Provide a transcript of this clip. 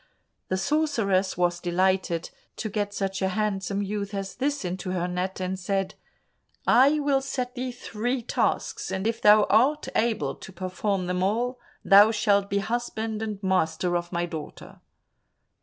The sorceress was delighted to get such a handsome youth as this into her net, and said, "I will set thee three tasks, and if thou art able to perform them all, thou shalt be husband and master of my daughter."